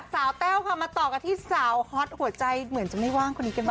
แต้วค่ะมาต่อกันที่สาวฮอตหัวใจเหมือนจะไม่ว่างคนนี้กันบ้าง